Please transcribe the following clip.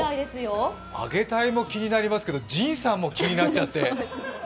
あげたいも気になりますけど神さんも気になっちゃって。